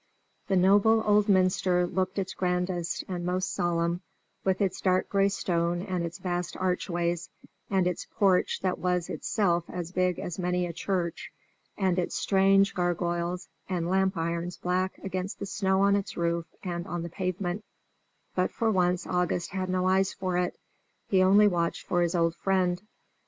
The noble old minster looked its grandest and most solemn, with its dark gray stone and its vast archways, and its porch that was itself as big as many a church, and its strange gargoyles and lamp irons black against the snow on its roof and on the pavement; but for once August had no eyes for it; he only watched for his old friend.